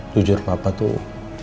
jujur papa tuh